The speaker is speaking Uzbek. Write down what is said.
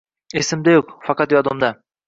Esimda yoʻq, faqat yodimda: